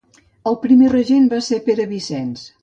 El primer regent va ser Pere Vicenç.